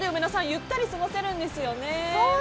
ゆったり過ごせるんですよね。